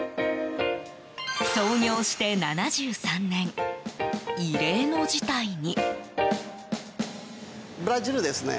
創業して７３年、異例の事態に。